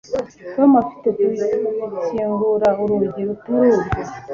Tom hafi gukingura urugi rutari rwo